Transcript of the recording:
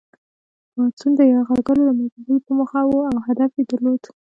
پاڅون د یرغلګرو له منځه وړلو په موخه وو او هدف یې درلود.